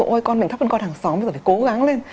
ơi con mình thấp hơn con hàng xóm bây giờ phải cố gắng lên